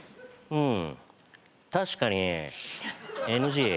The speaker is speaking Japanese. うん。